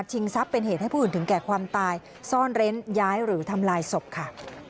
ทรัพย์เป็นเหตุให้ผู้อื่นถึงแก่ความตายซ่อนเร้นย้ายหรือทำลายศพค่ะ